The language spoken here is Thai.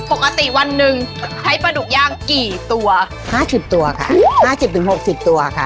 ปกติวันหนึ่งใช้ปลาดุกย่างกี่ตัวห้าสิบตัวค่ะ๕๐๖๐ตัวค่ะ